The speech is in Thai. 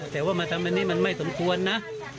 แต่ว่ามาทำอันนี้มันไม่สมควรนะ